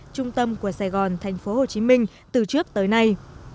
trung tâm của sài gòn thành phố hồ chí minh từ trước tới nay